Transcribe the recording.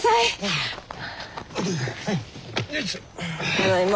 ただいま。